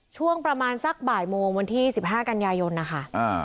ช่วงประมาณสักบ่ายโมงวันที่๑๕กันยายนนะคะ